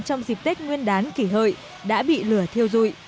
trong dịp tết nguyên đán kỷ hợi đã bị lửa thiêu dụi